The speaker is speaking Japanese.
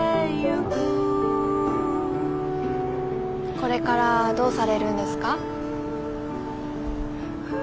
これからどうされるんですか？